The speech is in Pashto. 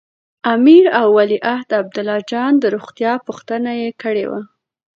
د امیر او ولیعهد عبدالله جان د روغتیا پوښتنه یې کړې وه.